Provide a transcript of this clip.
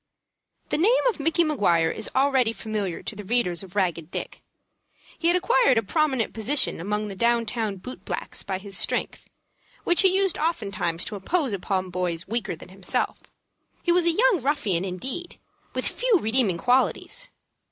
The name of Micky Maguire is already familiar to the readers of "Ragged Dick." He had acquired a prominent position among the down town boot blacks by his strength, which he used oftentimes to impose upon boys weaker than himself. He was a young ruffian, indeed, with few redeeming qualities.